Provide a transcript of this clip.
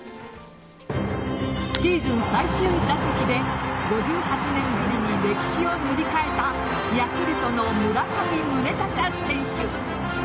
シーズン最終打席で５８年ぶりに歴史を塗り替えたヤクルトの村上宗隆選手。